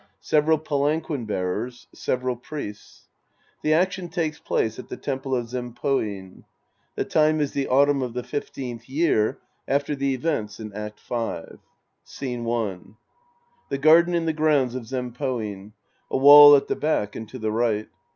Several Palanquin Bearers. Several Priests. {^he action takes place at the temple of Zempoin. The time is the autumn of the fifteenth year after the events in Act V.) Scene I (The garden in the grounds of Zempoin. A wall at the back and to the right.